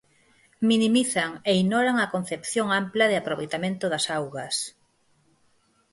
Minimizan e ignoran a concepción ampla de aproveitamento das augas.